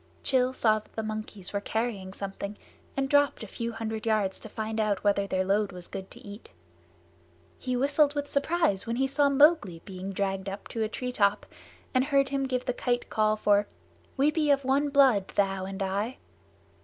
Rann saw that the monkeys were carrying something, and dropped a few hundred yards to find out whether their load was good to eat. He whistled with surprise when he saw Mowgli being dragged up to a treetop and heard him give the Kite call for "We be of one blood, thou and I."